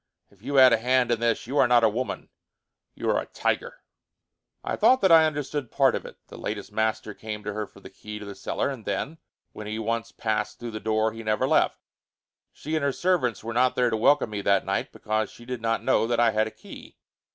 If you had a hand in this, you are not a woman. You are a tiger." I thought that I understood part of it. The latest master came to her for the key to the cellar, and then, when he once passed through the door he never left. She and her servants were not there to welcome me that night, because she did not know that I had a key.